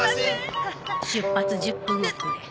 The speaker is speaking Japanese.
出発１０分遅れ。